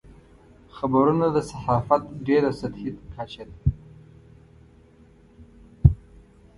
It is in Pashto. خبرونه د صحافت ډېره سطحي کچه ده.